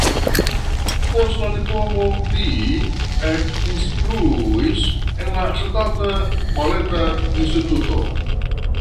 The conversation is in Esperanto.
Post la diplomo li ekinstruis en la Ŝtata Baleta Instituto.